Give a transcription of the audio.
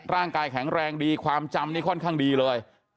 ร่างกายแข็งแรงดีความจำนี่ค่อนข้างดีเลย